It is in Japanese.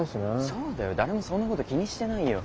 そうだよ誰もそんなこと気にしてないよ。